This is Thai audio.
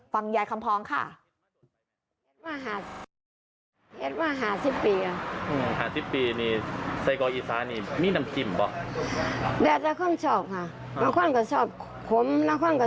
ฟังยายคำพองค่ะ